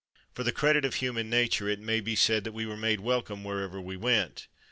For the credit of human nature it may be said that we were made welcome 70 CAROL SINGERS 71 wherever we went.